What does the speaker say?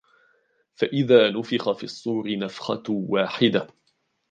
فَإِذَا نُفِخَ فِي الصُّورِ نَفْخَةٌ وَاحِدَةٌ